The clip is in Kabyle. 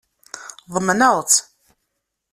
Ḍemneɣ-tt.